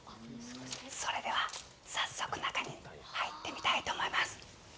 それでは、早速中に入ってみたいと思います。